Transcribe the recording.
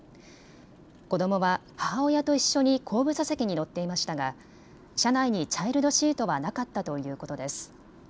子どもは母親と一緒に後部座席に乗っていましたが車内にチャイルドシートはなかったということです。